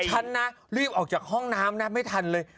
ฉันนะรีบออกจากห้องน้ำนะไม่ทันเลย